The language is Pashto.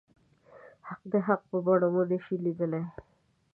حق د حق په بڼه ونه شي ليدلی.